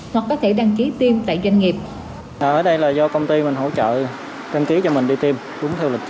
hoặc có thể đăng ký tiêm tại doanh nghiệp